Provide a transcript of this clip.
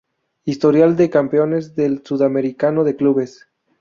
Historial de campeones del sudamericano de clubes.